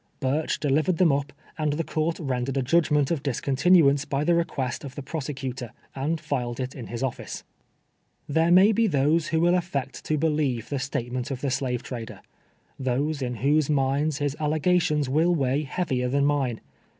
Burch delivered them up, and the court rendered a judg 318 TWELVE YEARS A SLAVE. meat of" (liseoiitimiance l)y the i'C(|UCst of the prosecu tor, and tiled it in his olliee. " There may he those who will affect to helieve the statement of the slave trader — those, in whose minds his allegations will weigh heavier than mine.